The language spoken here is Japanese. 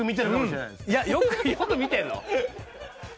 いやよく見てるの？